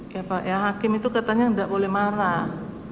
ya pak ya hakim itu katanya tidak boleh marah